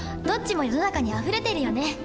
どっちも世の中にあふれてるよね。